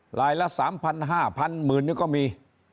หลายละ๓๐๐๐๕๐๐๐หมื่นนี่ก็มี